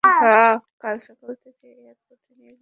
কাল সকালে ওকে এয়ারপোর্টে নিয়ে যেতে পারবে?